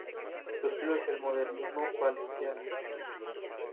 Su estilo es el modernismo valenciano.